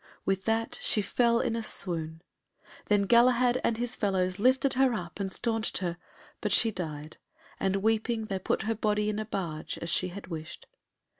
With that she fell in a swoon. Then Galahad and his fellows lifted her up and stanched her, but she died, and weeping, they put her body in a barge as she had wished.